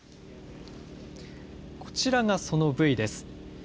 こちらがそのブイです。